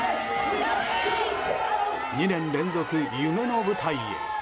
２年連続夢の舞台へ。